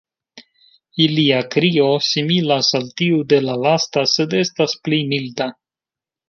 Ilia krio similas al tiu de la lasta sed estas pli milda.